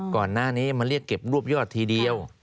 ก่อนหน้านี้มาเรียกเก็บรวบยอดทีเดียว